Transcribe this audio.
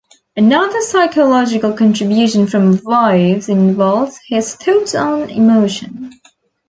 Another psychological contribution from Vives involves his thoughts on emotion.